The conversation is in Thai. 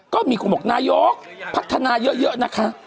ก็มีคนบอกนายกพัฒนาเยอะนะคะ